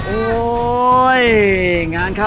โอ้ยงานนี้น่ะ